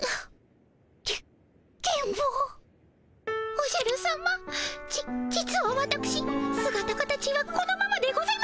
おじゃるさまじ実はわたくしすがた形はこのままでございま。